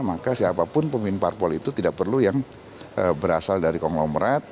maka siapapun pemimpin parpol itu tidak perlu yang berasal dari konglomerat